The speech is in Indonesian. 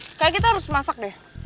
kayaknya kita harus masak deh